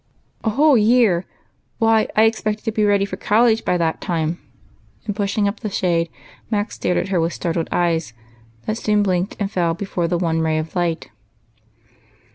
"A whole year! Why, I expected to be ready for college by that time." And, pnshing up the shade, Mac stared at her with startled eyes, that soon blinked and fell before the one ray of light.